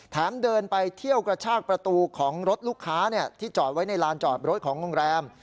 เดินไปเที่ยวกระชากประตูของรถลูกค้าที่จอดไว้ในลานจอดรถของโรงแรม